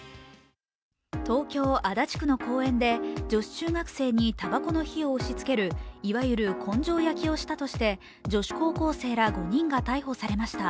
東京・足立区の公園で女子中学生にたばこの火を押しつけるいわゆる根性焼きをしたとして女子高校生ら５人が逮捕されました。